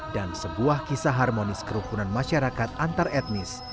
dan sebuah kisah harmonis kerukunan masyarakat antar etnis